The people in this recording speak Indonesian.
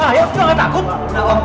pak udah gak takut